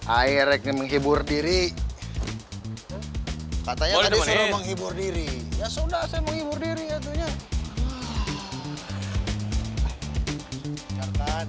air yang menghibur diri katanya menghibur diri ya sudah saya menghibur diri itu nya